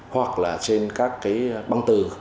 hoặc là trên các băng từ